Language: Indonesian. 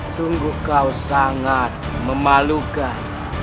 sungguh kau sangat memalukan